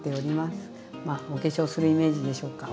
まあお化粧するイメージでしょうか。